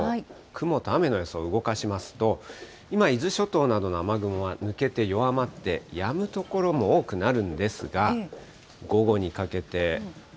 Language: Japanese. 雲と雨の予想を動かしますと、今、伊豆諸島などの雨雲は抜けて弱まって、やむ所も多くなるんですが、午後にかけて。